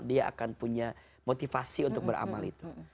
dia akan punya motivasi untuk beramal itu